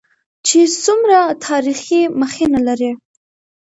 چې څومره تاريخي مخينه لري.